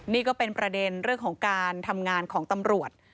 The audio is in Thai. นี่ก็เป็นประเด็นเรื่องของการทำงานของตำรวจ